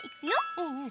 うんうん。